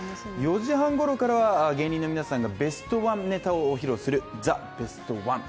４時半ごろからは芸人の皆さんがベストワンネタを披露する「ザ・ベストワン」。